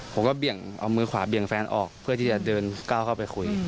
เบี่ยงเอามือขวาเบี่ยงแฟนออกเพื่อที่จะเดินก้าวเข้าไปคุย